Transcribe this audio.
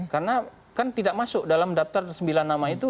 karena kan tidak masuk dalam daftar sembilan nama itu